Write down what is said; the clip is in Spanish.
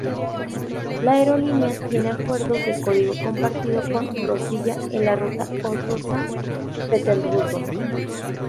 La aerolínea tiene acuerdos de código compartido con Rossiya en la ruta Oslo-San Petersburgo.